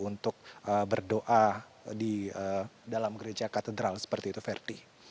untuk berdoa di dalam gereja katedral seperti itu verdi